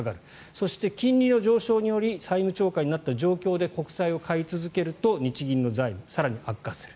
そして、金利の上昇により債務超過になった状況で国債を買い続けると日銀の財務は更に悪化する。